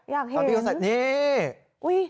อยากเห็นนี่พี่เขาใส่เนี่ย